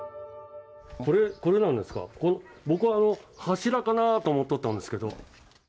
これなんですが、僕は柱かなと思っとったんですけど。